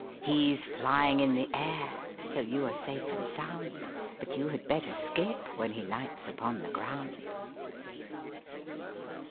He's flying in the air, So you are safe and sound; But you had better skip When he lights upon the ground.